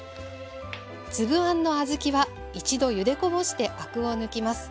粒あんの小豆は一度ゆでこぼしてアクを抜きます。